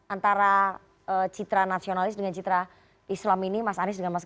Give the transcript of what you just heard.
antara citra nasionalis dengan citra islam ini mas anies dengan mas ganjar